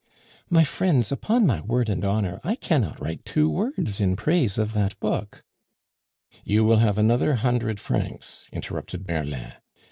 "My friends, upon my word and honor, I cannot write two words in praise of that book " "You will have another hundred francs," interrupted Merlin.